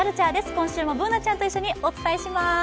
今週もＢｏｏｎａちゃんと一緒にお伝えします。